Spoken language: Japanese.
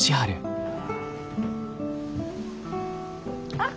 あっ。